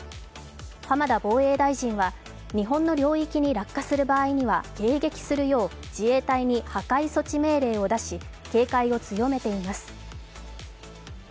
浜田防衛大臣は日本の領域に落下する場合には迎撃するよう、自衛隊に破壊措置命令を出し警戒を強めています。